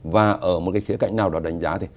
và ở một khía cạnh nào đó đánh giá thì